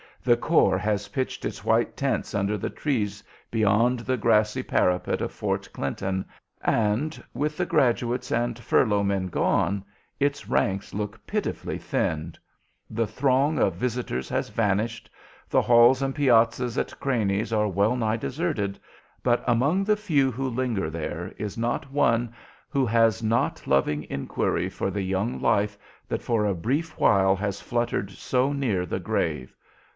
The corps has pitched its white tents under the trees beyond the grassy parapet of Fort Clinton, and, with the graduates and furlough men gone, its ranks look pitifully thinned. The throng of visitors has vanished. The halls and piazzas at Craney's are well nigh deserted, but among the few who linger there is not one who has not loving inquiry for the young life that for a brief while has fluttered so near the grave.